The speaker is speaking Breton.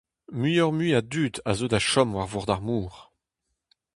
Muioc'h-mui a dud a zeu da chom war vord ar mor.